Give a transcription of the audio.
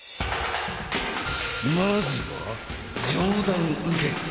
まずは上段受け。